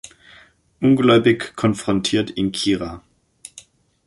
Ungläubig konfrontiert ihn Kira.